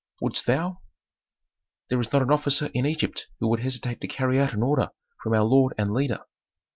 "Wouldst thou?" "There is not an officer in Egypt who would hesitate to carry out an order from our lord and leader."